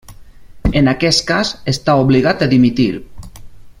En aquest cas, està obligat a dimitir.